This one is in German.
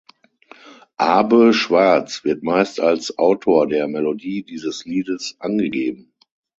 Abe Schwartz wird meist als Autor der Melodie dieses Liedes angegeben.